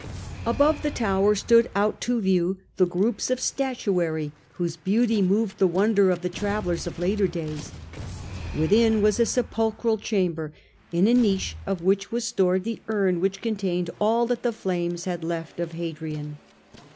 Above the tower stood out to view the groups of statuary whose beauty moved the wonder of the travellers of later days ; within was a sepulchral chamber, in a niche of which was stored the urn which contained all that the flames had left of Hadrian.